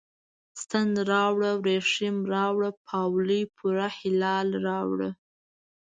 ستن راوړه، وریښم راوړه، پاولي پوره هلال راوړه